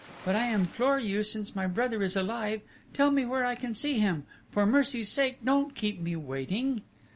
But, I implore you, since my brother is alive, tell me where I can see him! For mercy's sake don't keep me waiting!"